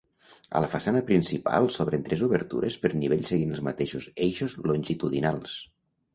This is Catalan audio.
A la façana principal s'obren tres obertures per nivell seguint els mateixos eixos longitudinals.